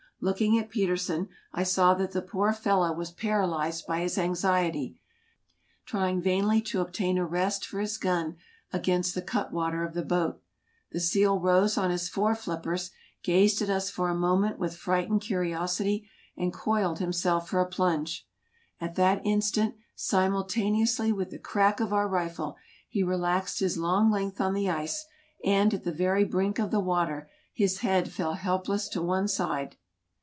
Looking at Petersen, I saw that the poor fellow was paralyzed by his anxiety, trying vainly to obtain a rest for his gun against the cut water of the boat. The seal rose on his fore flippers, gazed at us for a moment with frightened curiosity, and coiled himself for a plunge. At that instant, simultaneously with the crack of our rifle, he relaxed his long length on the ice, and, at the very brink of the water, his head fell helpless to one side.